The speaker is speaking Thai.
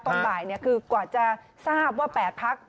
ตอนบ่ายคือกว่าจะทราบว่า๘พัก